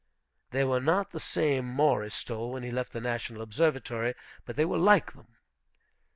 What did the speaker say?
They were not the same Maury stole when he left the National Observatory, but they were like them.